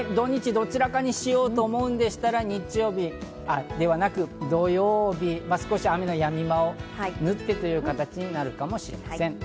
どちらかにしようと思うのでしたら土曜日、少し雨のやみ間をぬってという形になるかもしれません。